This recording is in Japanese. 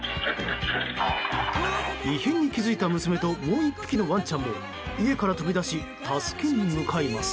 異変に気付いた娘ともう１匹のワンちゃんも家から飛び出し助けに向かいます。